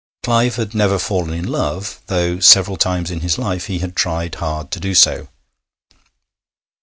Clive had never fallen in love, though several times in his life he had tried hard to do so.